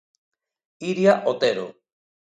Iria Otero.